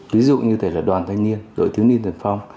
ví dụ như đoàn thanh niên đội thiếu niên tuyển phong